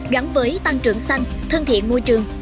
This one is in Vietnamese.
gắn với tăng trưởng xanh thân thiện môi trường